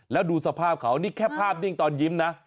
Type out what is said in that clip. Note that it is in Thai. แล้วดูสภาพเขานี่แค่ภาพนิ่งตอนยิ้มนะ